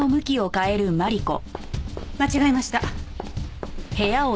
間違えました。